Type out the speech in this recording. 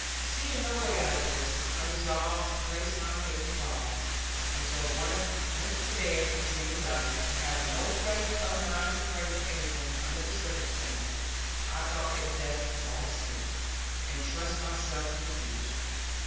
Seeing no way out of this, I resolved to place my faith in God; and so went to bed and dreamed of it. And having no presence of mind to pray for anything, under the circumstances, I thought it best to fall asleep, and trust myself to the future.